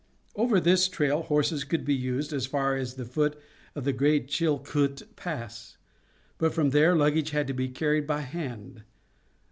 Over this trail horses could be used as far as the foot of the great Chilkoot Pass, but from there luggage had to be carried by hand.